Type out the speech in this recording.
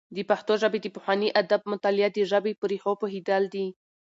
د پښتو ژبې د پخواني ادب مطالعه د ژبې په ريښو پوهېدل دي.